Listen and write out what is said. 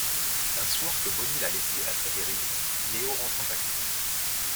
Un soir que Bony l'a laissé à sa dérive, Léo rentre en taxi.